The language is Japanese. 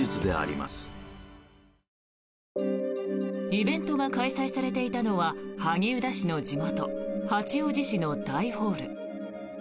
イベントが開催されていたのは萩生田氏の地元、八王子市の大ホール。